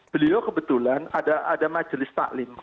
beliau kebetulan ada majelis taklim ⁇